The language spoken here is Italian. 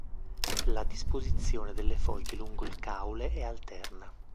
La disposizione delle foglie lungo il caule è alterna.